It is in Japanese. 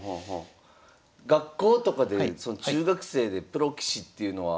学校とかで中学生でプロ棋士っていうのは。